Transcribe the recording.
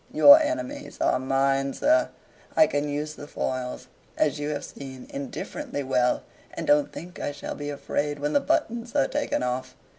Your enemies are mine, sir; I can use the foils, as you have seen, indifferently well, and don't think I shall be afraid when the buttons are taken off 'em."